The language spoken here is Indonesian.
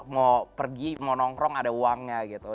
mau pergi mau nongkrong ada uangnya gitu